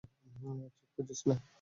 চোখ বুজিস না।